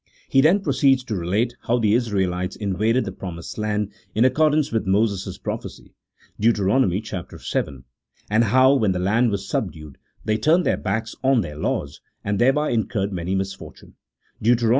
He then proceeds to relate how the Israelites invaded the promised land in accordance with Moses' prophecy (Deut. vii.) ; and how, when the land was subdued, they turned their backs on their laws, and thereby incurred many misfortunes (Deut.